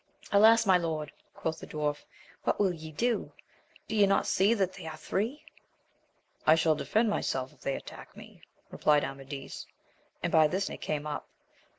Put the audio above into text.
Alas ! my lord, quoth the dwarf, what will ye do ? do you not see that they are three? I shall defend myself if they attack me, replied Amadis ; and by this they came up.